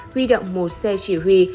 huy động một xe chỉ huy